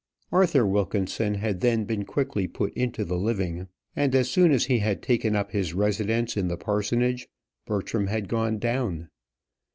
Arthur Wilkinson had then been quickly put into the living, and as soon as he had taken up his residence in the parsonage, Bertram had gone down.